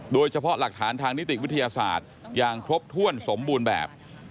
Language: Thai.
โดยเฉพาะหลักฐานทางนิติวิทยาศาสตร์อย่างครบถ้วนสมบูรณ์แบบ